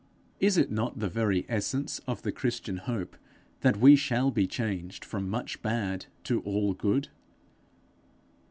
Is it not of the very essence of the Christian hope, that we shall be changed from much bad to all good?